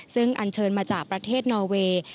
ซึ่งอันเชิญมาจากประเทศนอเวย์